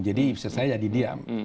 jadi istri saya jadi diam